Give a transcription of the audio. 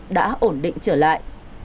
đã ổn định trở lại